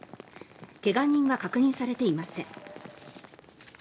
怪我人は確認されていません。